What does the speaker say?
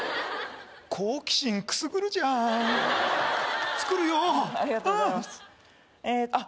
好奇心くすぐるじゃん作るようんありがとうございますえーあっ